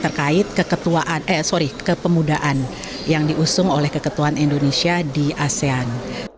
terkait keketuaan eh sorry kepemudaan yang diusung oleh keketuan indonesia di asean